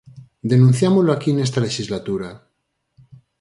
Denunciámolo aquí nesta lexislatura.